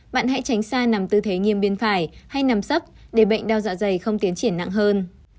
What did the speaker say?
bạn hãy tránh xa nằm tư thế nghiêm bên phải hay nằm sấp để bệnh đau dạ dày không tiến triển nặng hơn